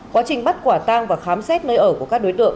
quá trình bắt quả tang và khám xét nơi ở của các đối tượng